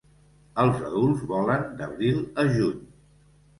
Els adults volen d'abril a juny.